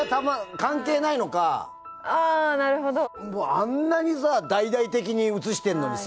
あんなにさ大々的に映してるのにさ。